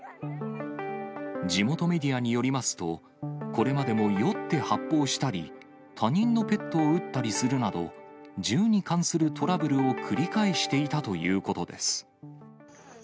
地元メディアによりますと、これまでも酔って発砲したり、他人のペットを撃ったりするなど、銃に関するトラブルを繰り返していたということです。